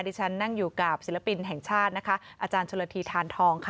ที่ฉันนั่งอยู่กับศิลปินแห่งชาตินะคะอาจารย์ชนละทีทานทองค่ะ